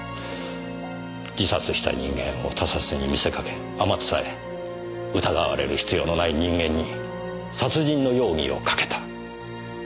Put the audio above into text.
自殺した人間を他殺に見せかけあまつさえ疑われる必要のない人間に殺人の容疑をかけた。